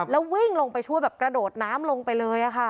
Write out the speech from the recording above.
แล้ววิ่งลงไปช่วยแบบกระโดดน้ำลงไปเลยค่ะ